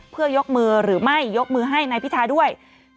เพื่อยกมือหรือไม่ยกมือให้นายพิทาด้วย